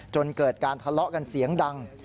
จนเกิดการทะเลาะกันเสียงดัง